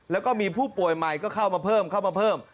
แล้วก็มีผู้ป่วยใหม่ก็เข้ามาเพิ่มเข้ามาเพิ่ม